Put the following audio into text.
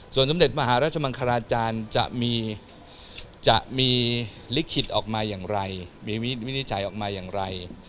ส่วนสมเด็จมหาราชมังคลาจารย์จะมีจะมีลิขิตออกมาอย่างไรมีวินิจฉัยออกมาอย่างไร